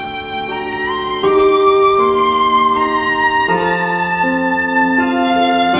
ภารกิจจะรวมมาบแล้ว